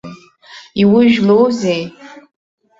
Иужәлоузеи?